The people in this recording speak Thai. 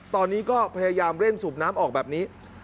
ตอนนี้ก็พยายามเร่งสูบน้ำออกแบบนี้